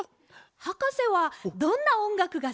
はかせはどんなおんがくがすきですか？